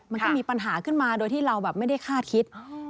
มันก็มีปัญหาขึ้นมาโดยที่เราแบบไม่ได้คาดคิด